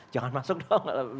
jangan masuk dong lebih baik